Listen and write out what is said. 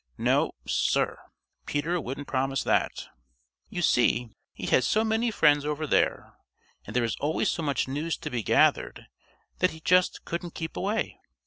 No, Sir, Peter wouldn't promise that. You see, he has so many friends over there, and there is always so much news to be gathered that he just couldn't keep away.